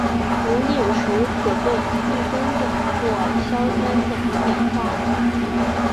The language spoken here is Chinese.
熔点时可被氯酸钾或硝酸钾氧化。